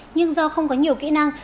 nhưng do không có nhiều kỹ năng